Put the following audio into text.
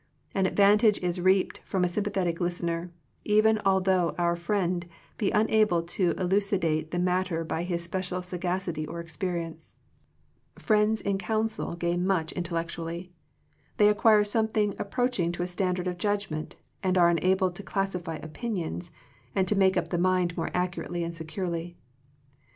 An advantage is reaped from a sympathetic listener, even al though our friend be unable to elu cidate the matter by his special sagacity or experience. Friends in counsel gain 73 Digitized by VjOOQIC THE FRUITS OF FRIENDSHIP much intellectually. They acquire some thing approaching to a standard of judg ment, and are enabled to classify opin ions, and to make up the mind more accurately and securely.